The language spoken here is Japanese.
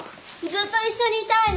ずっと一緒にいたいの！